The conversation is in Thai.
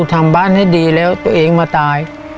ทำบ้านให้ดีแล้วตัวเองมาตาย